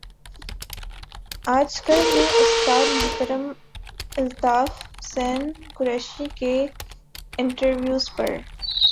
آج کل میں استاد محترم الطاف حسن قریشی کے انٹرویوز پر